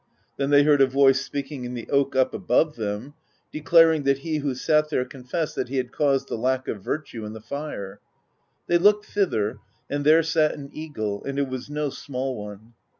Then they heard a voice speaking in the oak up above them, declar ing that he who sat there confessed he had caused the lack of virtue in the fire. They looked thither, and there sat an eagle; and it was no small one.